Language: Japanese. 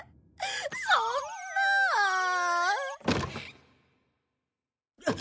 そんなあ！